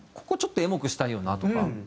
ここちょっとエモくしたいよなとか。